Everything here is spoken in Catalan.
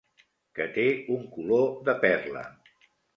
Que té un color de perla.